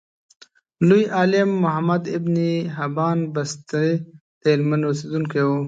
لوی عالم محمد ابن حبان بستي دهلمند اوسیدونکی و.